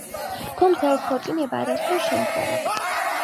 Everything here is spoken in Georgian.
თუმცა ეს ქორწინება არასდროს შემდგარა.